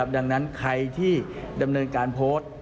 ดังนั้นใครที่ดำเนินการโพสต์